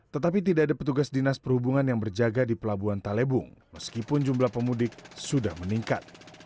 tetapi tidak ada petugas dinas perhubungan yang berjaga di pelabuhan talebung meskipun jumlah pemudik sudah meningkat